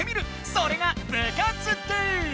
それが部活ＤＯ！